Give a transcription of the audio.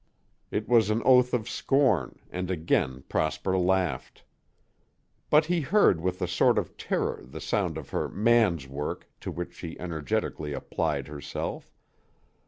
It was an oath of scorn, and again Prosper laughed. But he heard with a sort of terror the sound of her "man's work" to which she energetically applied herself.